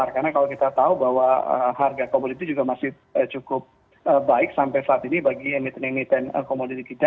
karena kalau kita tahu bahwa harga komoditi juga masih cukup baik sampai saat ini bagi emiten emiten komoditi kita